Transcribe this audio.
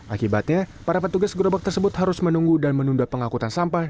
akibatnya para petugas gerobak tersebut harus menunggu dan menunda pengangkutan sampah